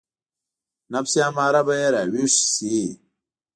نفس اماره به يې راويښ شي.